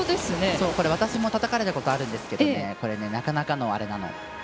私もたたかれたことあるんですけどこれ、なかなかのアレなの。